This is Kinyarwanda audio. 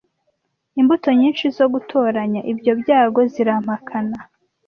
imbuto nyinshi zo gutoranya ibyo byago zirampakana